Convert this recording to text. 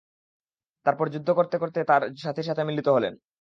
তারপর যুদ্ধ করতে করতে তাঁর সাথীর সাথে মিলিত হলেন।